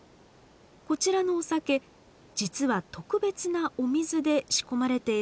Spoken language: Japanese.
こちらのお酒実は特別なお水で仕込まれているんだそうです。